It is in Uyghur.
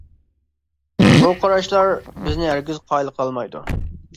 بۇ قاراشلار بىزنى ھەرگىز قايىل قىلالمايدۇ.